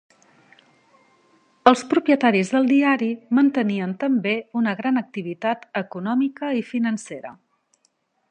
Els propietaris del diari mantenien també una gran activitat econòmica i financera.